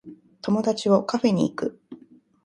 友達をカフェに行く